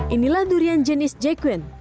inilah durian jenis jekwin